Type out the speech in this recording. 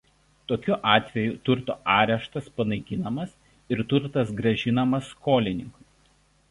Tokiu atveju turto areštas panaikinamas ir turtas grąžinamas skolininkui.